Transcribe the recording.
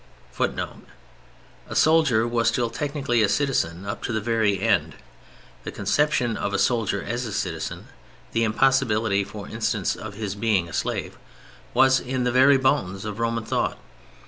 [Footnote: A soldier was still technically a citizen up to the very end. The conception of a soldier as a citizen, the impossibility, for instance, of his being a slave, was in the very bones of Roman thought.